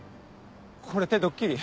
これってドッキリ？